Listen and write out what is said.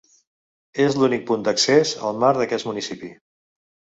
És l'únic punt d'accés al mar d'aquest municipi.